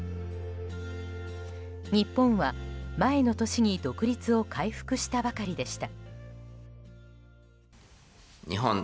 日本は、前の年に独立を回復したばかりでした。